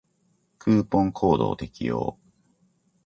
クーポンコードを適用